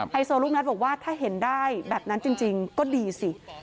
โซลูกนัทบอกว่าถ้าเห็นได้แบบนั้นจริงก็ดีสิ